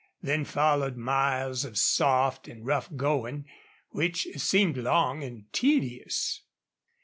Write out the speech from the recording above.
Then followed miles of soft and rough going, which seemed long and tedious.